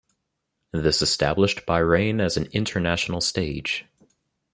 This established Bahrain as an international stage.